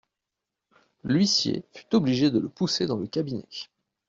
L'huissier fut obligé de le pousser dans le cabinet.